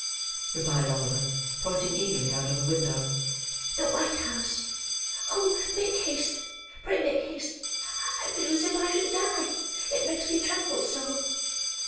replied Oliver, pointing eagerly out of the window. "The white house. Oh! make haste! Pray make haste! I feel as if I should die: it makes me tremble so."